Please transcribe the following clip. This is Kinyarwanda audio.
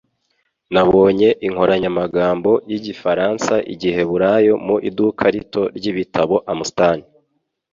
Nabonye inkoranyamagambo y'Igifaransa-Igiheburayo mu iduka rito ry'ibitabo. (Amastan)